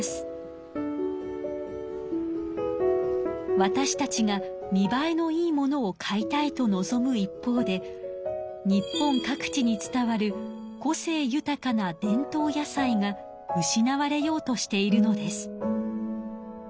わたしたちが見ばえのいいものを買いたいと望む一方で日本各地に伝わる個性豊かな伝統野菜が失われようとしているのです。